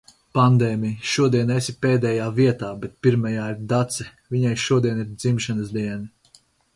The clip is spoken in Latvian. Pandēmij, šodien esi pēdējā vietā, bet pirmajā ir Dace. Viņai šodien ir dzimšanas diena.